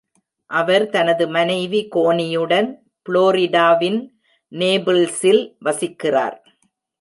, அவர் தனது மனைவி கோனியுடன் புளோரிடாவின் நேபிள்ஸில் வசிக்கிறார்.